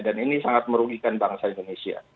dan ini sangat merugikan bangsa indonesia